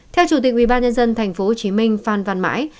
theo chủ tịch ubnd tp hcm phan văn mãi